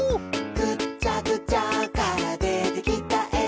「ぐっちゃぐちゃからでてきたえ」